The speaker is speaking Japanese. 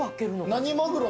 何マグロの？